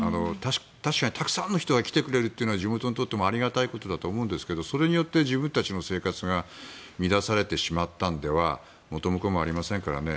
確かにたくさんの人が来てくれるというのは地元にとってもありがたいことだと思うんですがそれによって自分たちの生活が乱されてしまったんでは元も子もありませんからね。